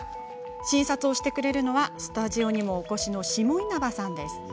診察をしてくれるのはスタジオにもお越しの下稲葉さん。